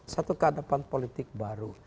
satu keadaban politik baru